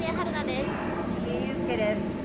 杉井勇介です。